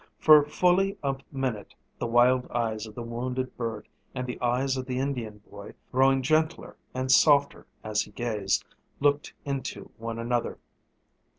For fully a minute the wild eyes of the wounded bird and the eyes of the Indian boy, growing gentler and softer as he gazed, looked into one another.